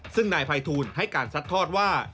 ซึ่งนายภัยทูลให้การซัดทอดว่า